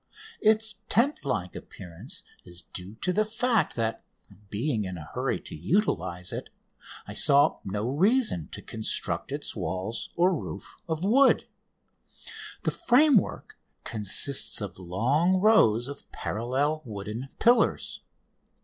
Its tent like appearance is due to the fact that, being in a hurry to utilise it, I saw no reason to construct its walls or roof of wood. The framework consists of long rows of parallel wooden pillars.